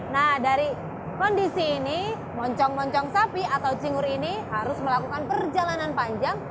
nah dari kondisi ini moncong moncong sapi atau cingur ini harus melakukan perjalanan panjang